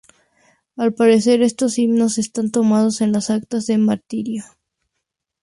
Al parecer, estos himnos están tomados de las actas de martirio.